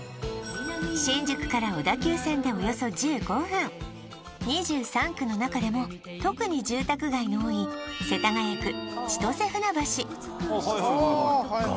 新宿から小田急線でおよそ１５分２３区のなかでも特に住宅街の多い世田谷区千歳船橋ああ